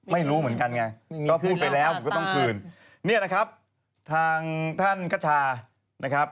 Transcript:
ไม่รู้เหมือนกันไงก็พูดไปแล้วผมก็ต้องคืนเนี่ยนะครับทางท่านคชานะครับ